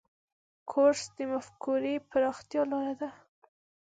کورس د مفکورې پراختیا لاره ده.